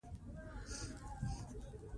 اوبزین معدنونه د افغانستان د طبیعي زیرمو برخه ده.